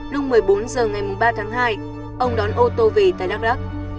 lúc một mươi bốn h ngày ba tháng hai ông đón ô tô về tại đắk lắc